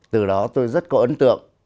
từ đó tôi rất có ấn tượng